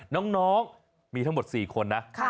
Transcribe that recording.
น้องมีทั้งหมด๔คนนะ